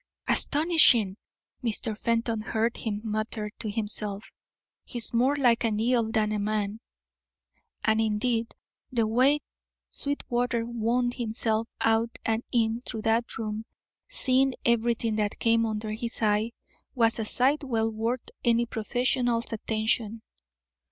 "Astonishing!" Mr. Fenton heard him mutter to himself. "He's more like an eel than a man." And indeed the way Sweetwater wound himself out and in through that room, seeing everything that came under his eye, was a sight well worth any professional's attention.